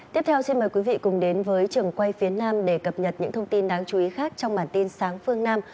tiếp theo xin mời quý vị cùng đến với trường quay phía nam để cập nhật những thông tin đáng chú ý khác trong bản tin sáng phương nam